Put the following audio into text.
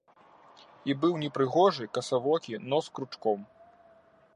І быў непрыгожы, касавокі, нос кручком.